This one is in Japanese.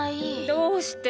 どうして？